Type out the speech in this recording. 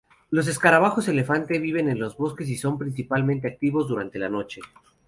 Los escarabajos elefante viven en los bosques y son principalmente activos durante la noche.